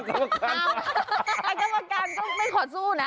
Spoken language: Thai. กรรมการก็ไม่ขอสู้นะ